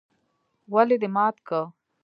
ولې دي مات که؟؟